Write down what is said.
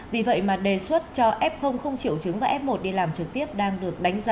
vì vậy mà đề xuất cho f không triệu chứng và f một đi làm trực tiếp đang được đánh giá